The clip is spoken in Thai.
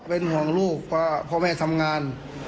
เป็นห่วงลูกว่าพ่อแม่ทำงาน